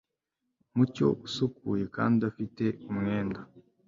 umucyo, usukuye kandi udafite umwenda